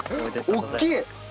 大きい！